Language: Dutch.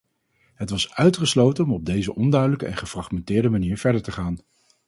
Het was uitgesloten om op deze onduidelijke en gefragmenteerde manier verder te gaan.